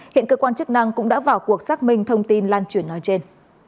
hiện cơ quan chức năng cũng đã vào cuộc xác minh thông tin lan truyền nói trên